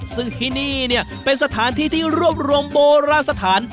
ซึ่งที่นี่เนี่ยเป็นสถานที่ที่รวบรวมโบราณสถาน